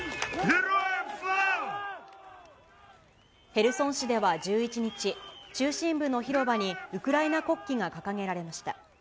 ヘルソン市では１１日、中心部の広場にウクライナ国旗が掲げられました。